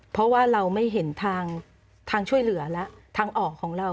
เพราะว่าเราไม่เห็นทางช่วยเหลือและทางออกของเรา